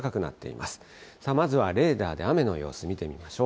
まずはレーダーで雨の様子、見てみましょう。